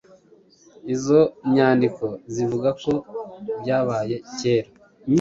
Izo nyandiko zivuga ko byabaye cyera